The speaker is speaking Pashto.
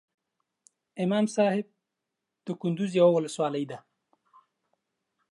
امام صاحب دکندوز یوه ولسوالۍ ده